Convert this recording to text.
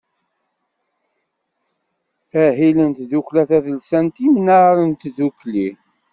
Ahil n tddukkla tadelsant Imnar n Tdukli.